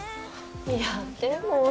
いやでも。